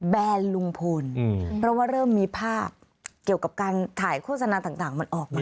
แนนลุงพลเพราะว่าเริ่มมีภาพเกี่ยวกับการถ่ายโฆษณาต่างมันออกมา